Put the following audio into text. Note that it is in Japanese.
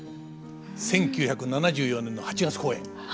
１９７４年の８月公演。